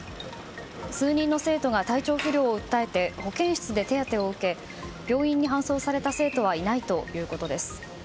数人の生徒が体調不良を訴えて保健室で手当てを受け病院に搬送された生徒はいないということです。